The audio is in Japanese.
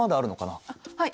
はい。